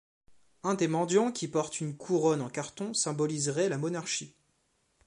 Un des mendiants qui porte une couronne en carton symboliserait la monarchie.